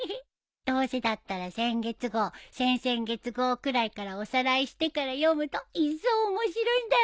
どうせだったら先月号先々月号くらいからおさらいしてから読むといっそう面白いんだよね。